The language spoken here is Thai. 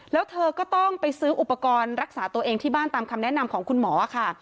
แล้วเธอก็ต้องไปซื้ออุปกรณ์รักษาตัวเองที่บ้านตามคำแนะนำของคุณหมอค่ะ